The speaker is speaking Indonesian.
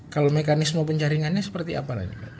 kalau mekanisme penjaringannya seperti apa